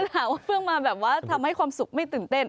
หาว่าเพิ่งมาแบบว่าทำให้ความสุขไม่ตื่นเต้น